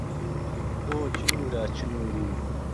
ئۆ چنوورە چنووری